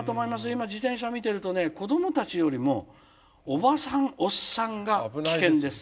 今自転車見てるとね子どもたちよりもおばさんおっさんが危険です。